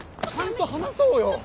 ちゃんと話そうよ！